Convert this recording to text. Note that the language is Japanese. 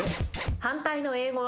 反対の英語は？